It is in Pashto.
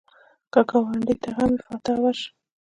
که ګاونډي ته غم وي، فاتحه ورشه